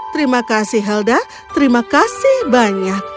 terima kasih helda terima kasih banyak